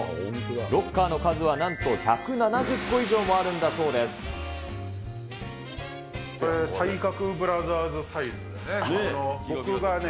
ロッカーの数はなんと１７０個以これ、体格ブラザーズサイズだよね。